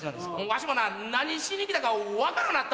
わしもな何しに来たか分からんなったわ。